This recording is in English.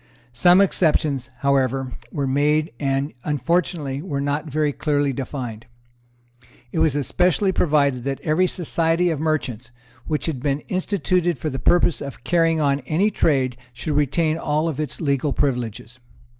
Some exceptions, however, were made, and, unfortunately, were not very clearly defined. It was especially provided that every Society of Merchants which had been instituted for the purpose of carrying on any trade should retain all its legal privileges.